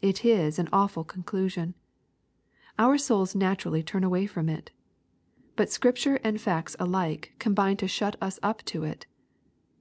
It is an awful conclusion. Our souls naturally turn away from it. But Scripture and facts alike combine to shut us up to it.